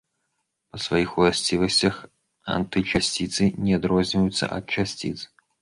Па сваіх уласцівасцях антычасціцы не адрозніваюцца ад часціц.